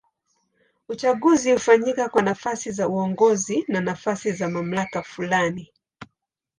Uchaguzi hufanyika kwa nafasi za uongozi au nafasi za mamlaka fulani.